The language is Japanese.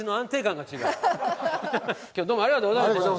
今日どうもありがとうございました。